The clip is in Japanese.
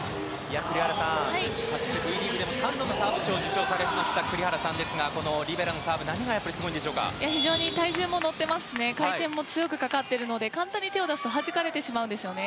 栗原さん、かつてＶリーグでも３度のサーブ賞を受賞されていました栗原さんですがこのリベラのサーブ非常に体重も乗っていますし回転も強くかかっているので簡単に手を出すとはじかれてしまうんですね。